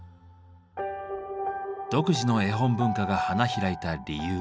独自の絵本文化が花開いた理由。